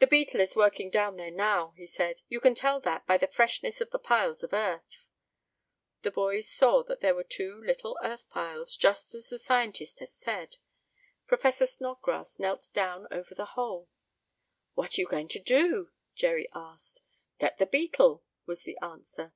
"The beetle is working down there now," he said. "You can tell that by the freshness of the piles of earth." The boys saw that there were two little earth piles, just as the scientist had said. Professor Snodgrass knelt down over the hole. "What are you going to do?" Jerry asked. "Get the beetle," was the answer.